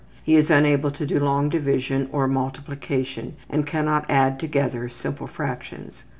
He is unable to do long division or multiplication, and cannot add together simple fractions.